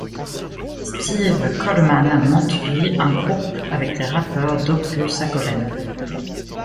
Steve Coleman monte lui un groupe avec les rappeurs d'opus akoben.